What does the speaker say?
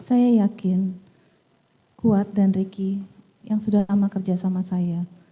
saya yakin kuat dan ricky yang sudah lama kerja sama saya